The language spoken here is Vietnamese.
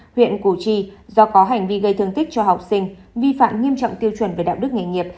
huyện củ chi do có hành vi gây thương tích cho học sinh vi phạm nghiêm trọng tiêu chuẩn về đạo đức nghề nghiệp